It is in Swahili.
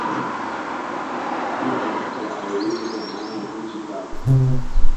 Ipo mipaka ya ardhini kwa maana ya nchi kavu